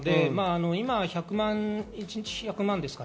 今、一日１００万ですか。